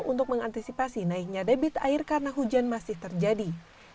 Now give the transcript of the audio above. untuk mengantisipasi naiknya debit air karena hujan masih terjadi